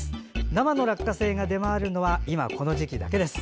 生の落花生が出回るのは今この時期だけです。